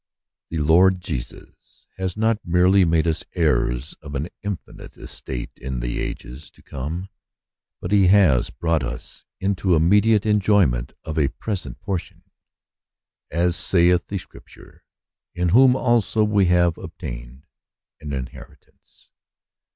The Lord Jesus has not merely made us heirs of an infinite estate in the ages to come, but he has brought us into immediate enjoyment of a present portion ; as saith the Scripture, "In whom also we have obtained an inheritance."